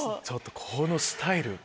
このスタイル！